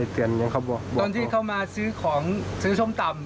ตอนที่เขามาซื้อของซื้อส้มตำ